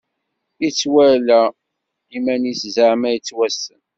Ittwala iman-is zeɛma yettwassen.